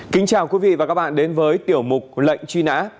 kính chào quý vị và các bạn đến với tiểu mục lệnh truy nã